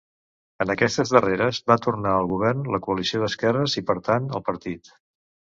En aquestes darreres va tornar al govern la coalició d'esquerres i per tant el partit.